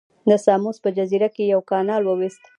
د ساموس په جزیره کې یې یو کانال وویست.